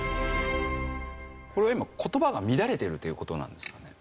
これは今言葉が乱れているという事なんですかね？